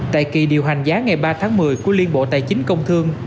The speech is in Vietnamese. tại kỳ điều hành giá ngày ba tháng một mươi của liên bộ tài chính công thương